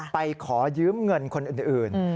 ไปขอยืมเงินคนอื่น